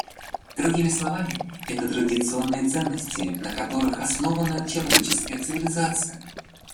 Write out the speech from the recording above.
Другими словами, это традиционные ценности, на которых основана человеческая цивилизация.